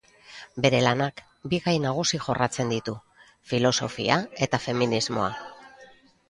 Bere lanak bi gai nagusi jorratzen ditu: filosofia eta feminismoa.